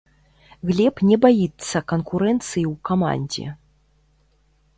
Глеб не баіцца канкурэнцыі ў камандзе.